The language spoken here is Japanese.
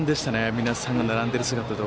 皆さんが並んでいる姿は。